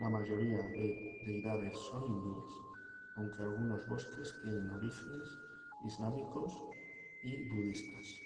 La mayoría de deidades son hindúes, aunque algunos bosques tienen orígenes islámicos y budistas.